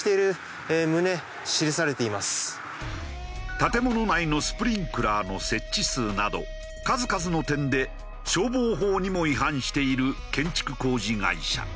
建物内のスプリンクラーの設置数など数々の点で消防法にも違反している建築工事会社。